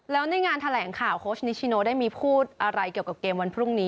แล้วในงานแถลงข่าวโค้ชนิชิโนได้มีพูดอะไรเกี่ยวกับเกมวันพรุ่งนี้